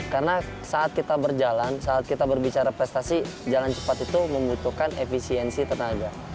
karena saat kita berjalan saat kita berbicara prestasi jalan cepat itu membutuhkan efisiensi tenaga